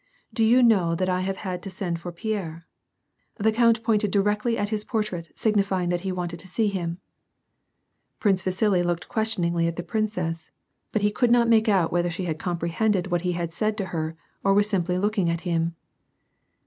Do you know that I have had to send for Pierre ? The count pointed directly at his portrait signify ing that he wanted to see him." Prince Vasili looked questioningly at the princess^ but he could not make out whether she comprehended what he had said to her or was simply looking at him.